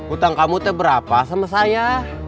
utang kamu itu berapa sama saya